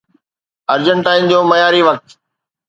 ارجنٽائن جو معياري وقت